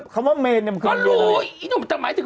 คำว่าเมนมันคืออะไร